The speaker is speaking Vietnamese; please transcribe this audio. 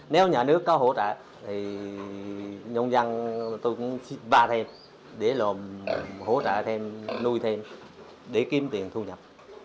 nếu nhà nước có hỗ trợ thì nông dân tôi cũng xin ba thêm để lùm hỗ trợ thêm nuôi thêm để kiếm tiền thu nhập